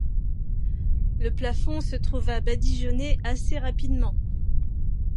Le plafond se trouva badigeonné assez rapidement.